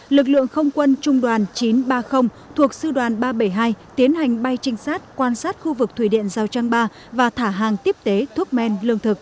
lực lượng không quân trung đoàn chín trăm ba mươi thuộc sư đoàn ba trăm bảy mươi hai tiến hành bay trinh sát quan sát khu vực thủy điện giao trang ba và thả hàng tiếp tế thuốc men lương thực